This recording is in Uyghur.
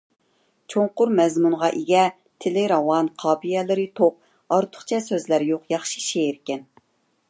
چوڭقۇر مەزمۇنغا ئىگە، تىلى راۋان، قاپىيەلىرى توق، ئارتۇقچە سۆزلەر يوق ياخشى شېئىركەن.